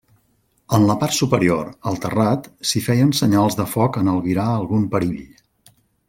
En la part superior, al terrat, s'hi feien senyals de foc en albirar algun perill.